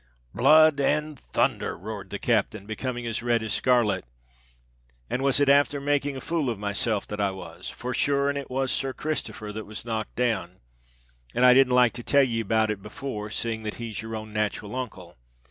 "Blood and thunther!" roared the captain, becoming as red as scarlet; "and was it afther making a fool of myself that I was? For sure and it was Sir Christopher that was knocked down—and I didn't like to tell ye about it before, seeing that he's your own nat'ral uncle.